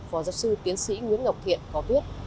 phó giáo sư tiến sĩ nguyễn ngọc thiện có viết